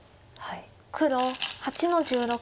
黒８の十六。